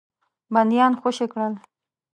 بندیان خوشي کړل.